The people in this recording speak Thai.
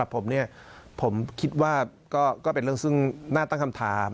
ผมคิดว่าก็เป็นเรื่องซึ่งน่าตั้งคำถาม